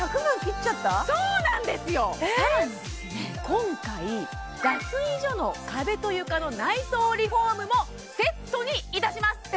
今回脱衣所の壁と床の内装リフォームもセットにいたします